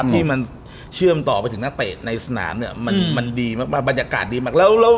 ที่มันเชื่อมต่อไปถึงนักเตะในสนามเนี่ยมันดีมากบรรยากาศดีมากแล้ว